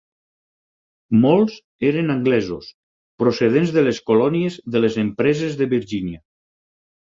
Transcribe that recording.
Molts eren anglesos, procedents de les colònies de les empreses de Virgínia.